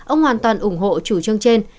ông hoàn toàn ủng hộ chủ chương trên